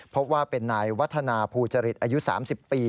พบว่าเป็นนายวัฒนาภูจริตอายุ๓๐ปี